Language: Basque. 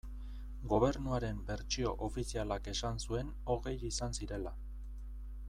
Gobernuaren bertsio ofizialak esan zuen hogei izan zirela.